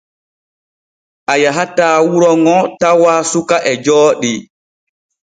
A yahataa wuro ŋo tawaa suka e jooɗii.